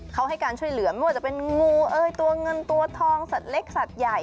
เขาให้การช่วยเหลือไม่ว่าจะเป็นงูเอ้ยตัวเงินตัวทองสัตว์เล็กสัตว์ใหญ่